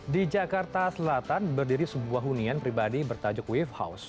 di jakarta selatan berdiri sebuah hunian pribadi bertajuk wave house